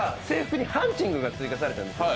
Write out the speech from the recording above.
ハンチングが追加されたんですよ。